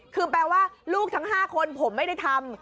คือแปลว่าลูกทั้ง๕คนผมไม่ได้ทำ